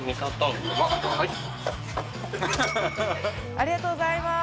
ありがとうございます。